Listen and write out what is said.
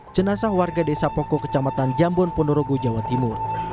jenazah warga desa pokok kecamatan jambon ponorogo jawa timur